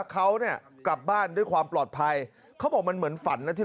เขาเนี่ยกลับบ้านด้วยความปลอดภัยเขาบอกมันเหมือนฝันนะที่